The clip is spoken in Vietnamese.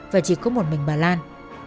và chỉ có một mình bà lan